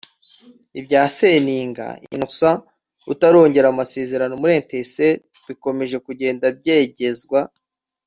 Ibya Seninga Innocent utarongera amasezerano muri Etincelles bikomeje kugenda byegezwa